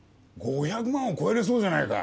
５００万を超えるそうじゃないか。